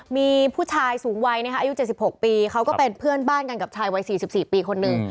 มีผู้ชายสูงวัยอายุ๗๖ปีเขาก็เป็นเพื่อนบ้านกันกับชายวัย๔๔ปีคนหนึ่ง